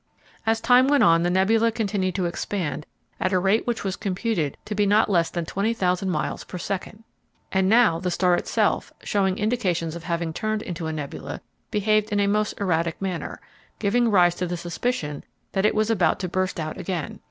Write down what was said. As time went on the nebula continued to expand at a rate which was computed to be not less than twenty thousand miles per second! And now the star itself, showing indications of having turned into a nebula, behaved in a most erratic manner, giving rise to the suspicion that it was about to burst out again.